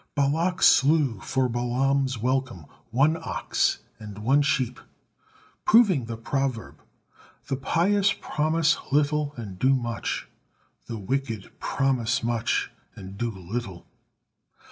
Balak slew for Balaam's welcome one ox and one sheep, proving the proverb, "The pious promise little and do much, the wicked promise much and do little."